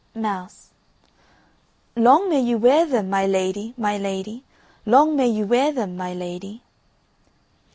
MOUSE. Long may you wear them, my lady, my lady, Long may you wear them, my lady.